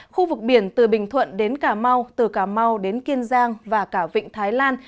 khu vực biển từ bình thuận đến cà mau từ cà mau đến kiên giang và cả vịnh thái lan